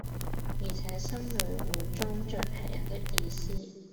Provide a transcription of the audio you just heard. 而且心裏滿裝着喫人的意思。